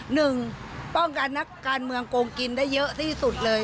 หนึ่งป้องกันนักการเมืองโกงกินได้เยอะที่สุดเลย